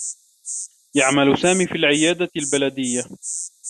يعمل سامي في العيادة البلديّة.